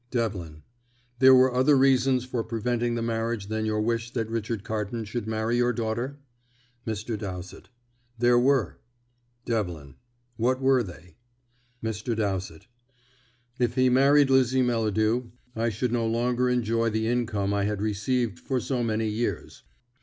Devlin: "There were other reasons for preventing the marriage than your wish that Richard Carton should marry your daughter?" Mr. Dowsett: "There were." Devlin: "What were they?" Mr. Dowsett: "If he married Lizzie Melladew, I should no longer enjoy the income I had received for so many years.